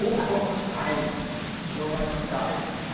広がりました。